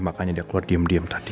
makanya dia keluar diem diem tadi